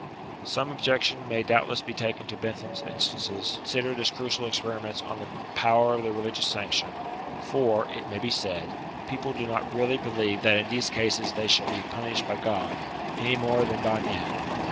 Some objection may doubtless be taken to Ben tham's instances, considered as crucial experiments on the power of the religious sanction ; for (it may be said) people do not really believe that in these cases they shall be punished by Grod, any more than by man.